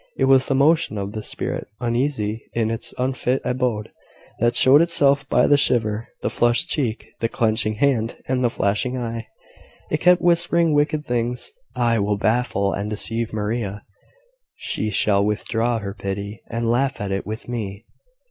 It was the motion of this spirit, uneasy in its unfit abode, that showed itself by the shiver, the flushed cheek, the clenching hand, and the flashing eye. It kept whispering wicked things, "I will baffle and deceive Maria: she shall withdraw her pity, and laugh at it with me."